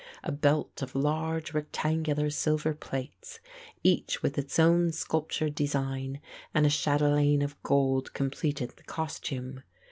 A belt of large rectangular silver plates, each with its own sculptured design, and a chatelaine of gold completed the costume.